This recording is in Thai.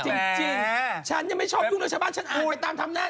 จริงฉันยังไม่ชอบยุ่งแล้วชาวบ้านฉันอ่านไปตามทำหน้า